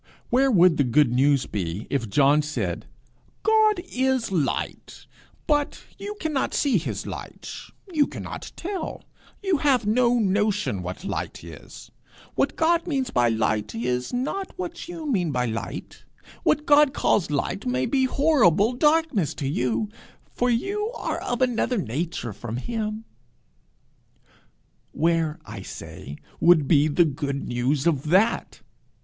Where would the good news be if John said, 'God is light, but you cannot see his light; you cannot tell, you have no notion, what light is; what God means by light, is not what you mean by light; what God calls light may be horrible darkness to you, for you are of another nature from him!' Where, I say, would be the good news of that?